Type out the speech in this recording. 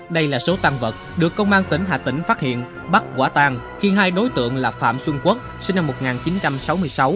đây là số tăng vật được công an tỉnh hà tĩnh phát hiện bắt quả tàn khi hai đối tượng là phạm xuân quốc sinh năm một nghìn chín trăm sáu mươi sáu